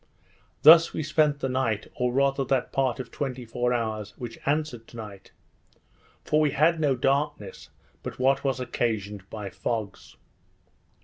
Thus we spent the night, or rather that part of twenty four hours which answered to night; for we had no darkness but what was occasioned by fogs.